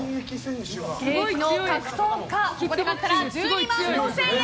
現役の格闘家ここで勝ったら１２万５０００円。